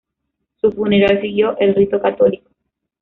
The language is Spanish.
Su funeral siguió el rito católico.